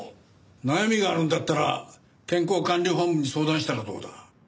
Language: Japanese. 悩みがあるんだったら健康管理本部に相談したらどうだ？